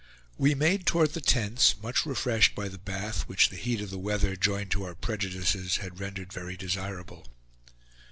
We made toward the tents, much refreshed by the bath which the heat of the weather, joined to our prejudices, had rendered very desirable.